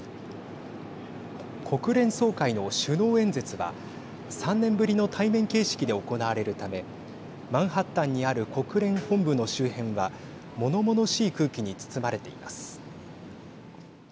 国連総会の首脳演説は３年ぶりの対面形式で行われるためマンハッタンにある国連本部の周辺はものものしい空気に包まれています。